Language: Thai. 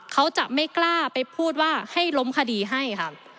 เขาจะไม่กล้าไปพูดว่าให้ล้มคดีให้ค่ะ